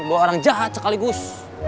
bawa orang jahat sekaligus